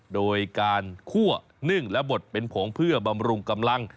โดยการคั่วนึ่งและบดเป็นผงเพื่อบำรุงกำลัง